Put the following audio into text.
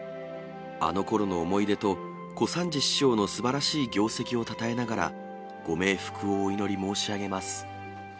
あのころの思い出と、小三治師匠のすばらしい業績をたたえながら、ご冥福をお祈り申し上げます。